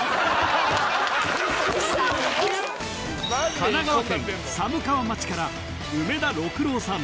神奈川県寒川町から梅田六郎さん